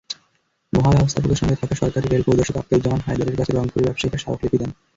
মহাব্যবস্থাপকের সঙ্গে থাকা সহকারী রেল পরিদর্শক আখতারুজ্জামান হায়দারের কাছে রংপুরের ব্যবসায়ীরা স্মারকলিপি দেন।